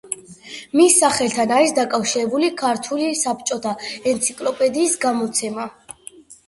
მის სახელთან არის დაკავშირებული ქართული საბჭოთა ენციკლოპედიის გამოცემა.